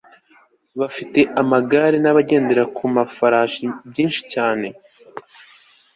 bafite amagare nabagendera ku mafarashi byinshi cyane